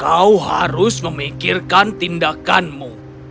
kau harus memikirkan tindakanmu